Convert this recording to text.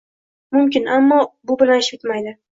— Mumkin, ammo bu bilan ish bitmaydi.